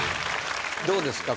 どうですか？